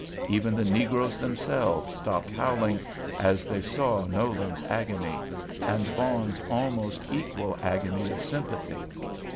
Even the negroes themselves stopped howling, as they saw Nolan's agony, and Vaughan's almost equal agony of sympathy.